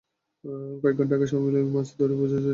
কয়েক ঘন্টা সবাই মিলে মাছ ধরি, বুঝেছ, ডেনহাই?